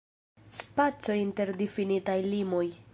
Spaco inter difinitaj limoj.